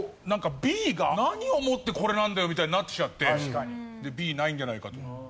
Ｂが何をもってこれなんだよみたいになってきちゃってＢないんじゃないかという。